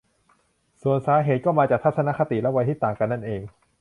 ส่วนสาเหตุก็มาจากทัศนคติและวัยที่ต่างกันนั่นเอง